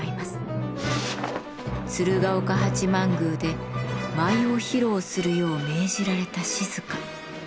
鶴岡八幡宮で舞を披露するよう命じられた静。